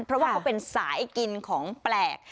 เพราะว่าเขาเป็นสายกินของแปลก